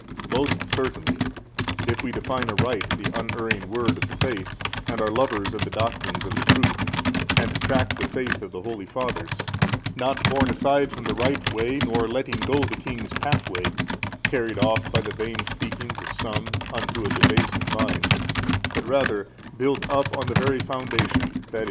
A . Most certainly, if we define aright the unerring word of the faith and are lovers of the doctrines of the truth and track the faith of the holy Fathers, not borne aside from the right way nor letting go the King's path way, carried off by the vain speakings of some unto a debased mind, but rather built up on the very Foundation, i. e.